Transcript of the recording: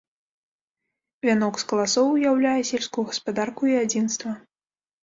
Вянок з каласоў уяўляе сельскую гаспадарку і адзінства.